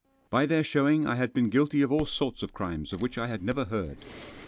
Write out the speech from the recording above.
By their showing I had been guilty of all sorts of crimes of which I had never heard.